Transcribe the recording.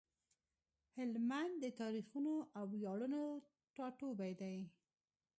هلمند د تاريخونو او وياړونو ټاټوبی دی۔